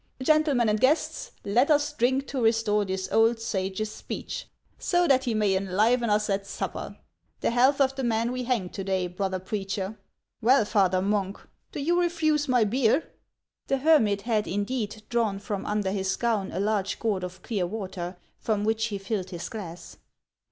Gentlemen and guests, let us drink to restore this old sage's speech, so that he may enliven us at supper; the health of the man we hanged to day, brother preacher ! Well, father monk, do you refuse my beer?" The hermit had, indeed, drawn from under his gown a large gourd of clear water, from which he filled his glass.